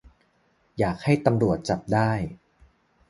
อยากให้ตำรวจจับได้